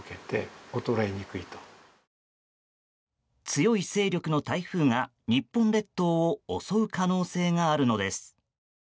強い勢力の台風が、日本列島を襲う可能性があるのです。